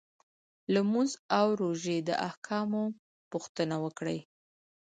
لمونځ او روژې د احکامو پوښتنه وکړي.